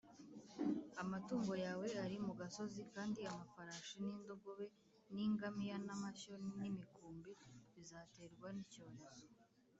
amatungo yawe ari mu gasozi Kandi amafarashi n indogobe n ingamiya n amashyo n imikumbi bizaterwa n’icyorezo